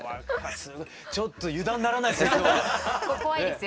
ちょっと油断ならないですね今日は。怖いですよ。